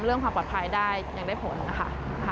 เรื่องความปลอดภัยได้ยังได้ผลนะคะ